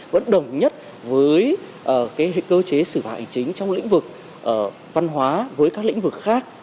vẫn đồng nhất với cơ chế xử phạt hành chính trong lĩnh vực văn hóa với các lĩnh vực khác